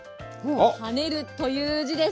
跳ねるという字です。